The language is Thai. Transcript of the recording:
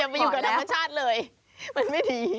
ไปอยู่กับธรรมชาติเลยมันไม่ดี